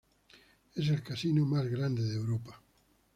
Es el casino más grande de Europa.